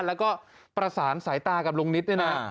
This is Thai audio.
แล้วก็ประสานสายตากับลุงนิดเนี่ยนะ